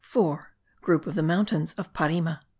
GROUP OF THE MOUNTAINS OF PARIME.